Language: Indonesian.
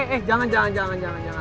eh jangan jangan jangan